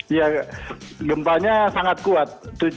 iya gempanya sangat kuat